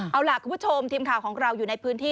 เอาล่ะคุณผู้ชมทีมข่าวของเราอยู่ในพื้นที่